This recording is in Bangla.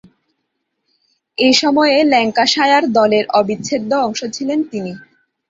এ সময়ে ল্যাঙ্কাশায়ার দলের অবিচ্ছেদ্য অংশ ছিলেন তিনি।